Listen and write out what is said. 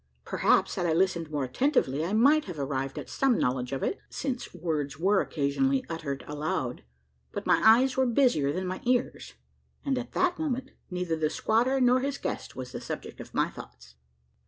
Perhaps, had I listened more attentively, I might have arrived at some knowledge of it since words were occasionally uttered aloud but my eyes were busier than my ears; and at that moment, neither the squatter nor his guest was the subject of my thoughts.